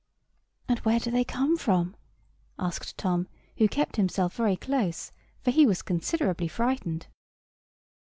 "And where do they come from?" asked Tom, who kept himself very close, for he was considerably frightened.